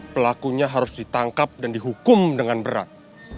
pelakunya harus ditangkap dan dihukum dengan berat